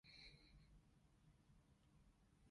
原來花之戀壽司係香港人發明架